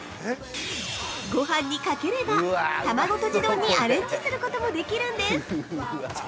ごはんにかければ、卵とじ丼にアレンジすることもできるんです。